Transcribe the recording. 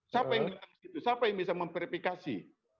siapa yang bisa memverifikasi